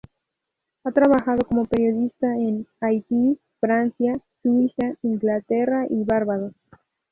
Ha trabajado como periodista en Haití, Francia, Suiza, Inglaterra y Barbados.